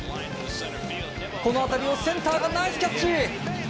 この当たりをセンターがナイスキャッチ！